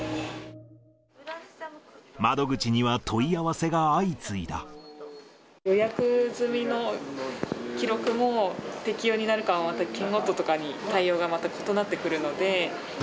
窓口には問い合わせが相次い予約済みの記録も、適用になるか、県ごととかに対応が異なってくるので。